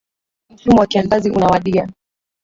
Msimu wa kiangazi unawadia.